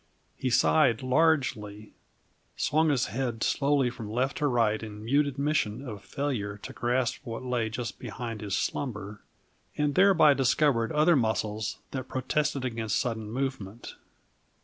He sighed largely, swung his head slowly from left to right in mute admission of failure to grasp what lay just behind his slumber, and thereby discovered other muscles that protested against sudden movement.